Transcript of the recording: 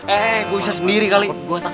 eh gue bisa sendiri kali